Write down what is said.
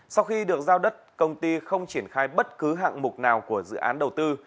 sau khi được giao đất công ty không triển khai bất cứ hạng mục nào của dự án đầu tư